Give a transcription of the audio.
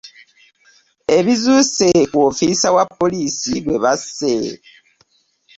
Ebizuuse ku ofiisa wa poliisi gwe basse.